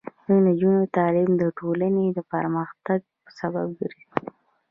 د نجونو تعلیم د ټولنې پرمختګ سبب ګرځي.